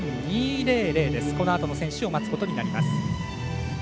このあとの選手を待つことになります。